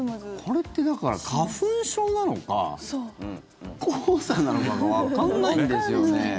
これって、だから花粉症なのか黄砂なのかがわかんないんですよね。